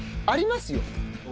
ありますよ。